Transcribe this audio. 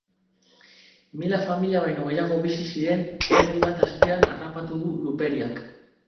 Mila familia baino gehiago bizi ziren herri bat azpian harrapatu du luperiak.